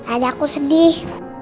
adah aku sedih